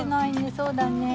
そうだねえ。